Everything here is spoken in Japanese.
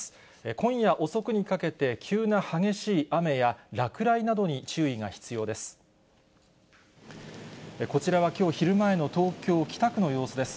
今夜遅くにかけて、急な激しい雨や落雷などに注意が必要です。